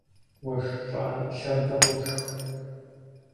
Уэшх щӀыӀэ щабэ къошх.